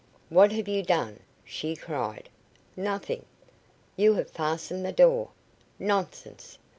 "What have you done?" she cried. "Nothing." "You have fastened the door." "Nonsense."